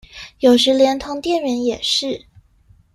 有時連同店員也是